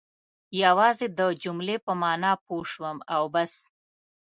یوازې د جملې په معنا پوه شوم او بس.